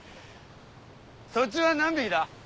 そっちは何匹だ？